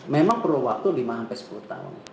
memang perlu waktu lima sepuluh tahun